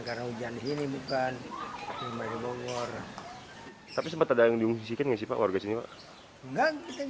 karena hujan ini bukan dari bogor tapi sempat ada yang diungsikan sih pak warga sini enggak